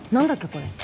これ。